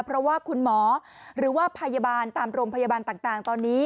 เพราะว่าคุณหมอหรือว่าพยาบาลตามโรงพยาบาลต่างตอนนี้